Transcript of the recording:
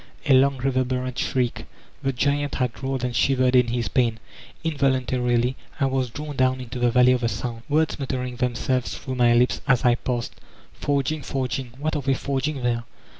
A long reverberant shridcl The giant had rolled and shivered in his pain. Invol untarily I was drawn down into the Valley of the Sound, words muttering themselves through my lips as I passed : "Forging, forging— what arc they forg ing there?